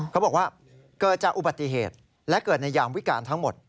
เขาบอกว่าเกิดจากอุบัติเหตุและเกิดในยามวิการทั้งหมด